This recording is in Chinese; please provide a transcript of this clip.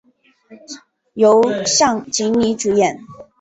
由向井理主演。